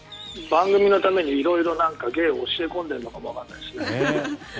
番組のために色々芸を教え込んでるのかもわからないですね。